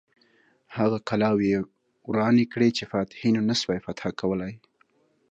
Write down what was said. هغه کلاوې یې ورانې کړې چې فاتحینو نه سوای فتح کولای.